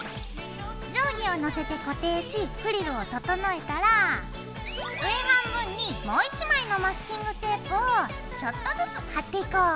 定規を乗せて固定しフリルを整えたら上半分にもう１枚のマスキングテープをちょっとずつ貼っていこう。